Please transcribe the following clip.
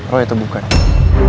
reina itu orang siapa